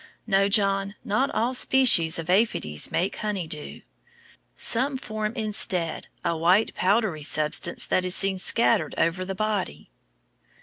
No, John, not all species of aphides make honey dew. Some form instead a white, powdery substance that is seen scattered over the body.